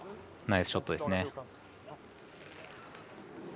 ナイスショットですね。